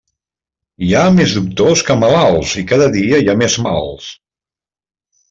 Hi ha més doctors que malalts i cada dia hi ha més mals.